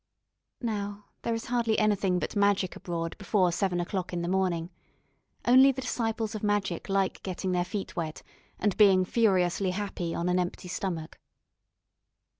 Now there is hardly anything but magic abroad before seven o'clock in the morning. Only the disciples of magic like getting their feet wet, and being furiously happy on an empty stomach.